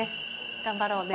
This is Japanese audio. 頑張ろうね。